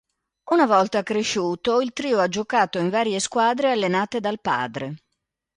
Una volta cresciuto il trio ha giocato in varie squadre allenate dal padre.